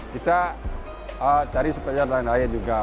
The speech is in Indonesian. kita cari supaya lain lain juga